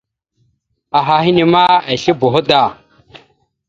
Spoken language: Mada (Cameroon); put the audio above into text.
Aha henne ma esle boho da.